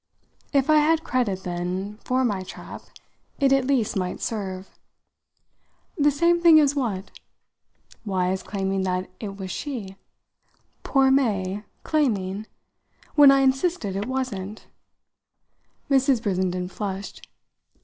If I had credit then for my trap it at least might serve. "The same thing as what?" "Why, as claiming that it was she." "Poor May 'claiming'? When I insisted it wasn't!" Mrs. Brissenden flushed.